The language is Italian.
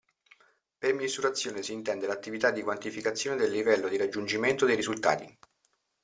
Per misurazione si intende l'attività di quantificazione del livello di raggiungimento dei risultati.